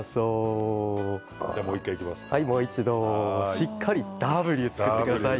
もう一度、しっかりＷを作ってください。